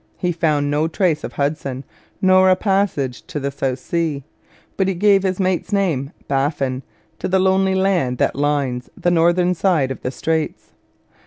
He found no trace of Hudson, nor a passage to the South Sea; but he gave his mate's name Baffin to the lonely land that lines the northern side of the straits.